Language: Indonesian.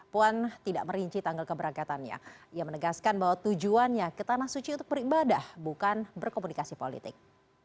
puan tidak merinci tanggal keberangkatannya ia menegaskan bahwa tujuannya ke tanah suci untuk beribadah bukan berkomunikasi politik